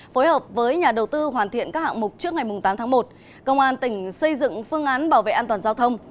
phối hợp với nhà đầu tư hoàn thiện các hạng mục trước ngày tám tháng một